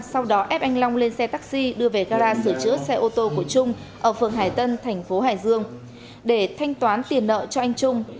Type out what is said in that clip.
sau đó ép anh long lên xe taxi đưa về gara sửa chữa xe ô tô của trung ở phường hải tân thành phố hải dương để thanh toán tiền nợ cho anh trung